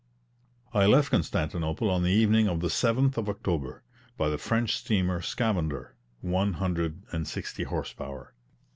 I left Constantinople on the evening of the 7th of October, by the French steamer Scamander, one hundred and sixty horse power.